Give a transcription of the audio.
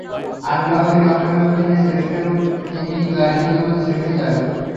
আল্লাহ্ই রক্ষণাবেক্ষণে শ্রেষ্ঠ এবং তিনি দয়ালুদের মধ্যে শ্রেষ্ঠ দয়ালু।